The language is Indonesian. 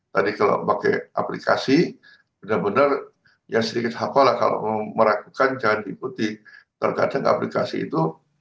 tadi kalau pakai aplikasi benar benar ya sedikit hafal lah kalau meragukan jangan diikuti terkadang aplikasi itu